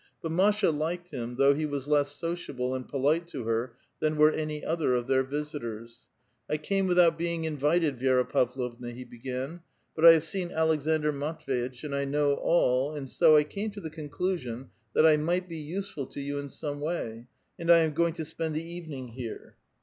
But Masha liked him, though he was less sociable and polite to her than were any other of their visitors. " I came without being invited, Vi^ra Pavlovna," he began. " But I have seen Aleksandr Matv^itch, and I know all, and so I came to the eonclnsion that I might be useful to you in some way ; and I am going to spend the evening here."